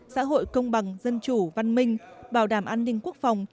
xã hội công bằng dân chủ văn minh bảo đảm an ninh quốc phòng